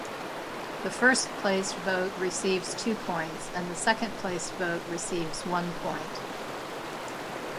The first-place vote receives two points and the second-place vote receives one point.